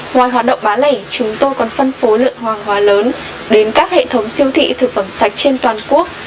ngoài hoạt động bá lẩy chúng tôi còn phân phối lượng hoàng hóa lớn đến các hệ thống siêu thị thực phẩm sạch trên toàn quốc